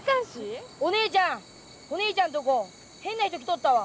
おねえちゃんおねえちゃんとこ変な人来とったわ。